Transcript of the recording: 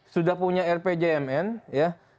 sudah punya rpjmn ya